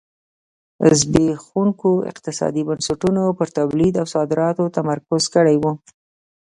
زبېښونکو اقتصادي بنسټونو پر تولید او صادراتو تمرکز کړی و.